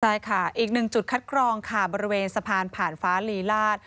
ใช่ค่ะอีกหนึ่งจุดคัดกรองค่ะบริเวณสะพานผ่านฟ้าลีลาศ